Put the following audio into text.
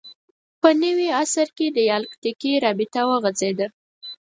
په نوي عصر کې دیالکتیکي رابطه وغځېده